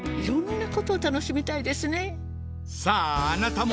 さああなたも！